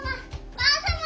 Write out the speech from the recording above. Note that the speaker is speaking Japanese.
ばあさま！